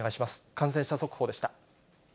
感染者速報でした。